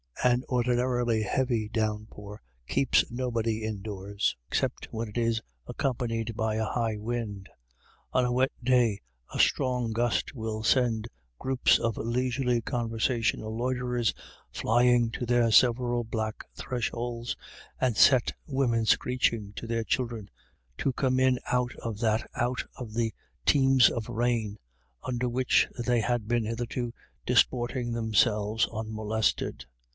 An ordinarily heavy downpour keeps nobody indoors, except when it is accompanied by a high wind. On a wet day a strong gust will send groups of leisurely conversational loiterers flying to their several black thresholds, and set women screeching to their children to come in out of that out of the teems of rain, under which they had been hitherto disporting themselves un molested.